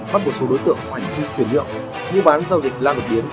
bắt một số đối tượng hoành đi chuyển miệng mua bán giao dịch lan đột biến